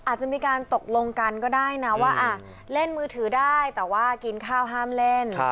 อาจจะมีการตกลงกันก็ได้นะว่าเล่นมือถือได้แต่ว่ากินข้าวห้ามเล่น